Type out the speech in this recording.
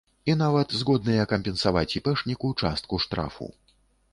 І нават згодныя кампенсаваць іпэшніку частку штрафу.